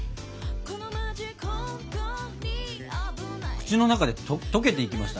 口の中で溶けていきました。